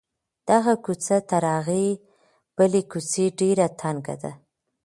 دغه کوڅه تر هغې بلې کوڅې ډېره تنګه ده.